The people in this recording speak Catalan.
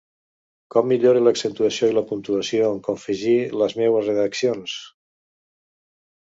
Com millore l’accentuació i la puntuació en confegir les meues redaccions?